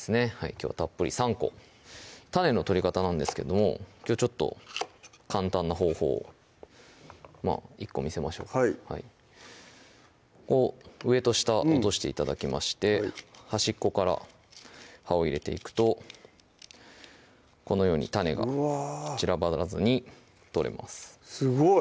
きょうはたっぷり３個種の取り方なんですけどもきょう簡単な方法を１個見せましょうかはい上と下落として頂きまして端っこから刃を入れていくとこのように種が散らばらずに取れますすごい！